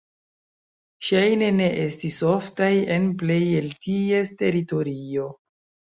Ŝajne ne estis oftaj en plej el ties teritorio.